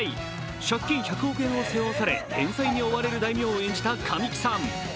借金１００億円を背負わされ返済に追われる大名を演じた神木さん。